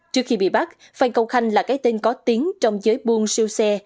trước khi bị bắt phan công khanh là cái tên có tiếng trong giới buôn siêu xe